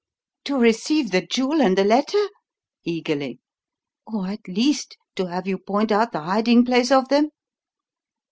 "To receive the jewel and the letter?" eagerly. "Or, at least, to have you point out the hiding place of them?"